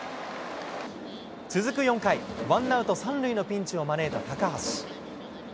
続く４回、ワンアウト３塁のピンチを招いた高橋。